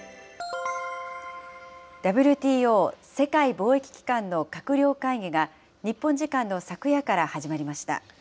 ＷＴＯ・世界貿易機関の閣僚会議が、日本時間の昨夜から始まりました。